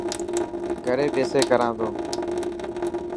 گهري ٻيسي ڪران تو.